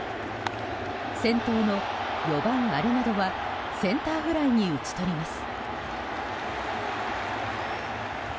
先頭の４番、アレナドはセンターフライに打ち取ります。